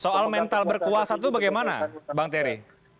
soal mental berkuasa itu bagaimana bang terry